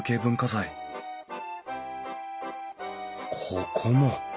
ここも。